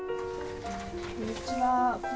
こんにちは。